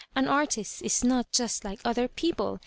An artist is not just like other people.